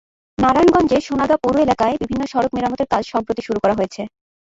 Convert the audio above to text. নারায়ণগঞ্জের সোনারগাঁ পৌর এলাকার বিভিন্ন সড়ক মেরামতের কাজ সম্প্রতি শুরু করা হয়েছে।